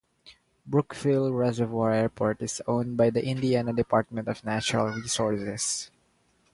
Brookville Reservoir Airport is owned by the Indiana Department of Natural Resources.